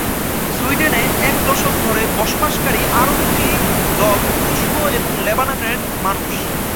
সুইডেনে এক দশক ধরে বসবাসকারী আরও দুটি দল তুরস্ক এবং লেবাননের মানুষ।